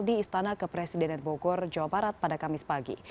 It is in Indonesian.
di istana kepresidenan bogor jawa barat pada kamis pagi